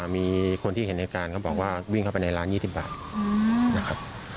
มีคนที่เห็นเหตุการณ์เขาบอกว่าวิ่งเข้าไปในร้าน๒๐บาทนะครับ